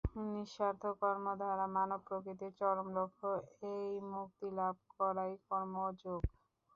নিঃস্বার্থ কর্মদ্বারা মানব-প্রকৃতির চরম লক্ষ্য এই মুক্তিলাভ করাই কর্মযোগ।